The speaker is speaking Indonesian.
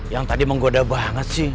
yang tadi menggoda banget sih